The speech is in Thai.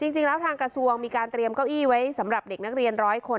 จริงแล้วทางกระทรวงมีการเตรียมเก้าอี้ไว้สำหรับเด็กนักเรียนร้อยคน